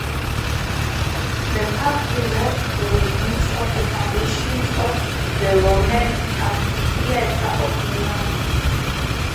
The park preserves the remains of the foundations of the Roman amphitheater of Milan.